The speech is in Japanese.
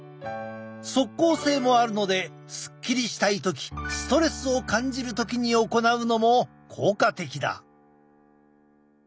即効性もあるのですっきりしたい時ストレスを感じる時に行うのも効果的だ。